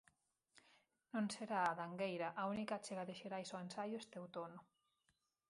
Non será a de Angueira a única achega de Xerais ao ensaio este outono.